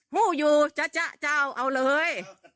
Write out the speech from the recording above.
มู้อยู่จ๊ะเจ้าเอาเลย